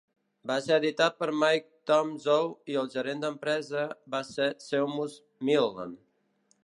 Va ser editat per Mike Toumazou i el gerent d'empresa va ser Seumas Milne.